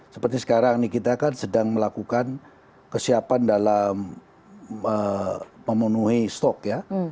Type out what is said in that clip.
seperti sekarang ini kita kan sedang melakukan kesiapan dalam memenuhi stok ya